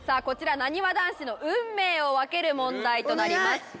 こちらなにわ男子の運命を分ける問題となります。